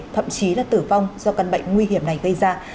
thậm chí là tử vong do căn bệnh nguy hiểm này gây ra